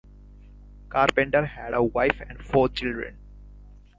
Carpenter had a wife and four children, three daughters and one son.